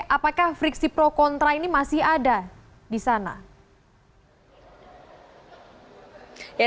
apakah friksi pro kontra ini masih ada di sana